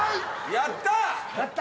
やった！